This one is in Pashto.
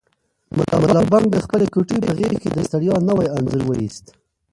ملا بانګ د خپلې کوټې په غېږ کې د ستړیا نوی انځور وایست.